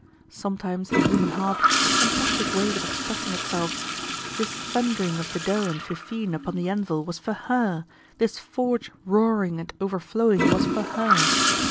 Sometimes the human heart has fantastic ways of expressing itself. This thundering of Dedele and Fifine upon the anvil was for her, this forge roaring and overflowing was for her.